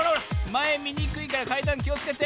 まえみにくいからかいだんきをつけて。